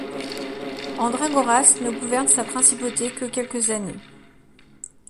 Andragoras ne gouverne sa principauté que quelques années.